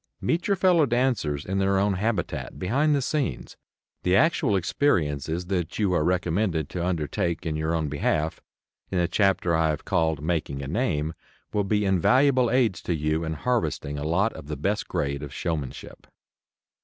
Meet your fellow dancers in their own habitat, behind the scenes. The actual experiences that you are recommended to undertake in your own behalf in the chapter I have called "Making a Name" will be invaluable aids to you in harvesting a lot of the best grade of showmanship.